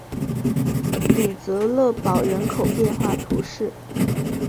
吕泽勒堡人口变化图示